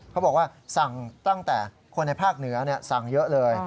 เขาบอกว่าสั่งตั้งแต่คนในภาคเหนือสั่งเยอะเลย